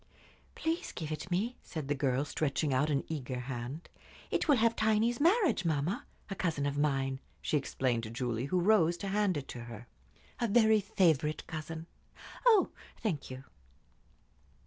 "Please give it me," said the girl, stretching out an eager hand. "It will have Tiny's marriage, mamma! A cousin of mine," she explained to Julie, who rose to hand it to her. "A very favorite cousin. Oh, thank you."